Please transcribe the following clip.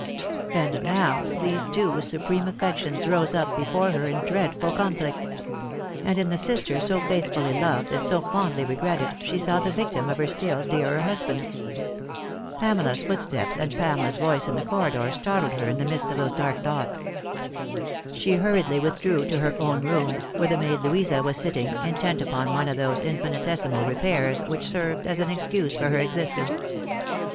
And now these two supreme affections rose up before her in dreadful conflict ; and in the sister so faithfully loved and so fondly regretted she saw the victim of her still dearer husband. Pamela's footsteps and Pamela's voice in the corridor startled her in the midst of those dark thoughts. She hurriedly with drew to her own room, where the maid Louisa was sitting, intent upon one of those infinitesimal repairs which served as an excuse for her existence.